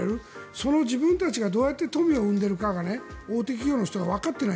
その自分たちをどうやって富を生んでいるかが大手企業の人がわかってない。